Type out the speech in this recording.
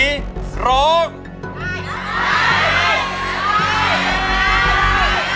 มาฟังอินโทรเพลงที่๑๐